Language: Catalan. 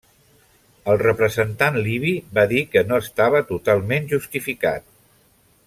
El representant libi va dir que no estava totalment justificat.